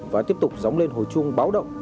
và tiếp tục gióng lên hồi chuông báo động